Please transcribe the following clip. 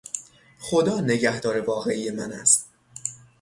خدا نگهدار واقعی من است.